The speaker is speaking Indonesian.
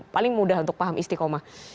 paling mudah untuk paham istiqomah